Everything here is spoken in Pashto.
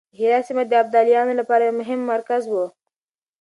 د هرات سيمه د ابدالیانو لپاره يو مهم مرکز و.